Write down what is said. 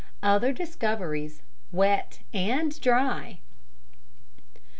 OTHER DISCOVERIES WET AND DRY.